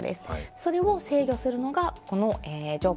それを制御するのがこの条件